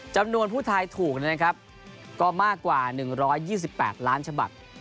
จำนวนผู้ทายถูกก็มากกว่า๑๒๘ล้านชบัตร